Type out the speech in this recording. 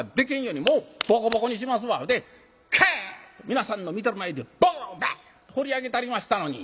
皆さんの見てる前でボンバンほり上げたりましたのに。